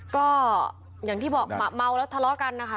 ก็อย่างที่บอกเมาแล้วทะเลาะกันนะคะ